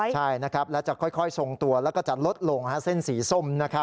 ใช่นะครับแล้วจะค่อยทรงตัวแล้วก็จะลดลงเส้นสีส้ม